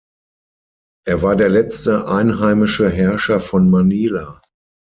Er war der letzte einheimische Herrscher von Manila.